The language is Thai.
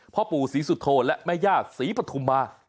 พ่อปู่ศรีสุโธและแม่ญาติศรีปฐุมา